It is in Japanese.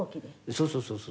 「そうそうそうそうそう」